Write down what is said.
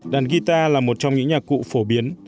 đàn guitar là một trong những nhạc cụ phổ biến